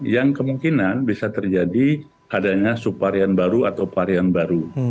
yang kemungkinan bisa terjadi adanya subvarian baru atau varian baru